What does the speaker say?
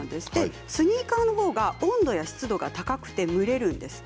スニーカーのほうが温度や湿度が高くて蒸れるんですって。